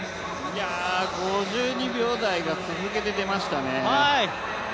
５２秒台が続けて出ましたね。